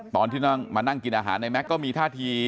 ตอนที่นั่งมานั่งกินอาหารในแก๊กก็มีท่าที